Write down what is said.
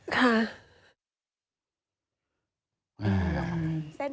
ค่ะ